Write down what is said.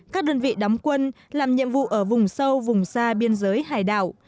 các đơn vị đóng quân làm nhiệm vụ ở vùng sâu vùng xa biên giới hải đảo